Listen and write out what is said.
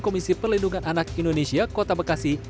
komisi perlindungan anak indonesia kota bekasi